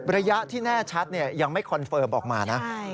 ระยะที่แน่ชัดยังไม่คอนเฟิร์มออกมานะ